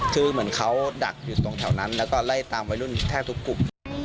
คือเหมือนเขาดักอยู่ตรงแถวนั้นแล้วก็ไล่ตามวัยรุ่นแทบทุกกลุ่ม